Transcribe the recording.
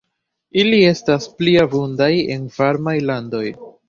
Ili estas pli abundaj en varmaj landoj.